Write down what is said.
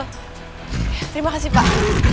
terima kasih pak